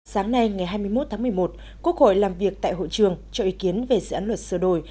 sáng nay ngày hai mươi một tháng một mươi một quốc hội làm việc tại hội trường cho ý kiến về dự án luật sửa đổi